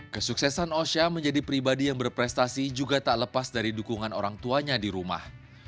kesuksesan osha menjadi pribadi yang berprestasi juga tak lepas dari dukungan orang tuanya di rumah